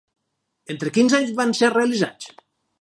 Entre quins anys van ser realitzats?